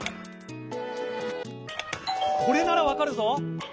「これならわかるぞ！」。